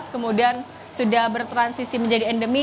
kemudian sudah bertransisi menjadi endemi